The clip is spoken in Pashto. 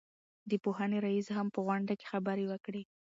د پوهنې رئيس هم په غونډه کې خبرې وکړې.